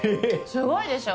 すごいでしょ？